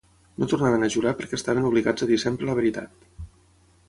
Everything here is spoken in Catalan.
No tornaven a jurar perquè estaven obligats a dir sempre la veritat.